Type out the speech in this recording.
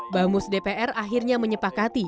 bamus dpr akhirnya menyepakati